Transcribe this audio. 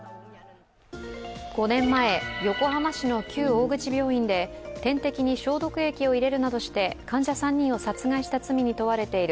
５年前、横浜市の旧大口病院で点滴に消毒液を入れるなどして患者３人を殺害した罪に問われている